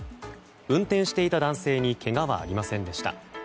運転していた男性にけがはありませんでした。